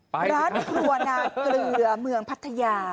ร้านครัวนาเกลือเมืองพัทยา